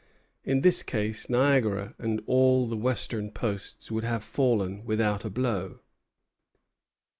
In this case Niagara and all the western posts would have fallen without a blow.